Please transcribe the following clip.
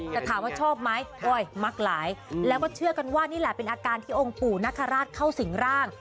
แต่ถามว่าชอบไหมโอ๊ยมักหลายแล้วก็เชื่อกันว่านี่แหละเป็นอาการที่องค์ปู่นคราชเข้าสิงร่าง